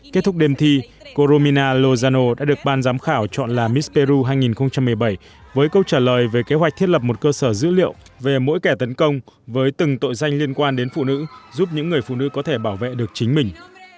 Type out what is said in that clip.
kết thúc đêm thi coronaromina lozano đã được ban giám khảo chọn là misperu hai nghìn một mươi bảy với câu trả lời về kế hoạch thiết lập một cơ sở dữ liệu về mỗi kẻ tấn công với từng tội danh liên quan đến phụ nữ giúp những người phụ nữ có thể bảo vệ được chính mình